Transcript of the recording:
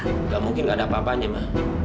tidak mungkin gak ada apa apanya ma